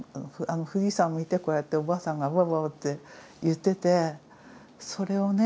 富士山を見てこうやっておばあさんが「わわわ」って言っててそれをね